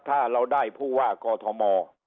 ถ้าเราได้ผู้ว่ากอทม